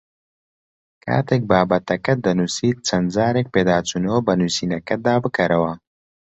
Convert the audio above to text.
کاتێک بابەتەکەت دەنووسیت چەند جارێک پێداچوونەوە بە نووسینەکەتدا بکەرەوە